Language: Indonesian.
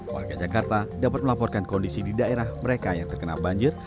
warga jakarta dapat melaporkan kondisi di daerah mereka yang terkena banjir